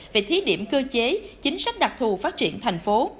về thí điểm cơ chế chính sách đặc thù phát triển thành phố